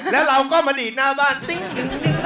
แล้วเราก็มาดีหน้าบ้านดิ้งดิ้งดิ้ง